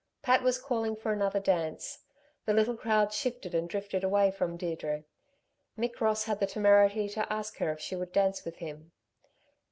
Pat was calling for another dance. The little crowd shifted and drifted away from Deirdre. Mick Ross had the temerity to ask her if she would dance with him.